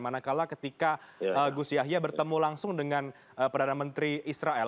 manakala ketika gus yahya bertemu langsung dengan perdana menteri israel